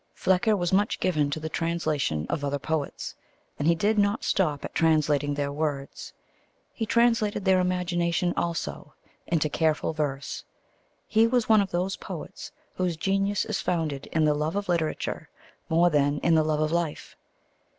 Flecker was much given to the translation of other poets, and he did not stop at translating their words. He translated their imagination also into careful verse. He was one of those poets whose genius is founded in the love of literature more than in the love of life.